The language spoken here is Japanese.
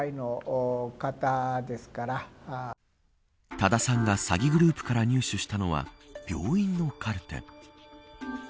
多田さんが詐欺グループから入手したのは病院のカルテ。